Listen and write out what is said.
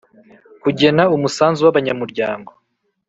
Kugena umusanzu w abanyamuryango